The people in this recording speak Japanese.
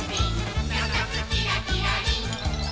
「なつなつキラキラリン！」